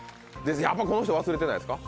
やっぱこの人忘れてないですか？